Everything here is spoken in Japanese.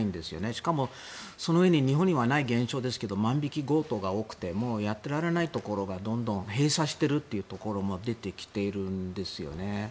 しかも、そのうえ日本にはない現象ですが万引き強盗が多くてもうやっていられないところが多くてどんどん閉鎖しているというところも出てきているんですよね。